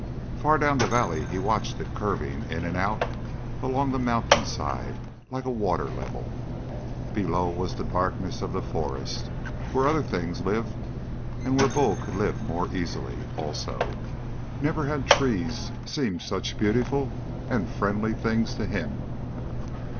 Far down the valley he watched it curving in and out along the mountainside like a water level. Below was the darkness of the forest where other things lived, and where Bull could live more easily, also. Never had trees seemed such beautiful and friendly things to him.